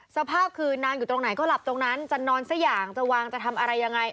สภาพคือนอนอยู่ตรงไหนก็หลับตรงนั้นจะนอนสักอย่างจะวางจะทำอะไรยังไง